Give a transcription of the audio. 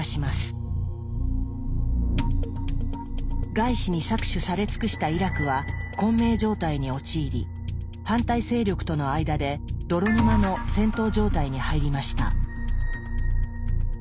外資に搾取され尽くしたイラクは混迷状態に陥り反対勢力との間で泥沼の戦闘状態に入りました。